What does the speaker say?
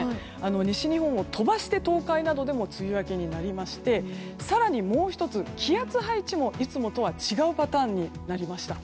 西日本を飛ばして東海などでも梅雨明けになりまして更にもう１つ、気圧配置もいつもとは違うパターンになりました。